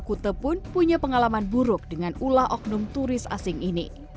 kute pun punya pengalaman buruk dengan ulah oknum turis asing ini